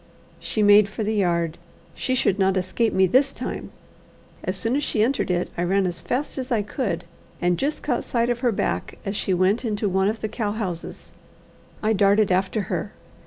She made for the yard. She should not escape me this time. As soon as she entered it, I ran as fast as I could, and just caught sight of her back as she went into one of the cow houses. I darted after her.